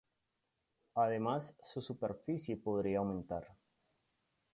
Además su superficie podría aumentar.